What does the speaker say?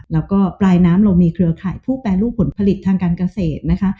แล้วก็ปลายน้ำเรามีเครือข่ายผู้แปรรูปผลผลิตทางการเกษตรนะคะ